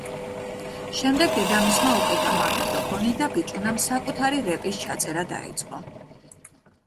შემდეგ დედამისმა უყიდა მაგნიტოფონი და ბიჭუნამ საკუთარი რეპის ჩაწერა დაიწყო.